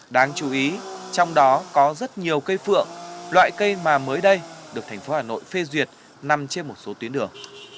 đáng chú ý trong đó có rất nhiều cây phượng loại cây mà mới đây được thành phố hà nội phê duyệt nằm trên một số tuyến đường